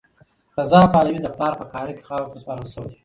رضا پهلوي د پلار په قاره کې خاورو ته سپارل شوی.